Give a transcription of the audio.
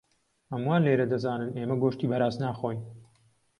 هەمووان لێرە دەزانن ئێمە گۆشتی بەراز ناخۆین.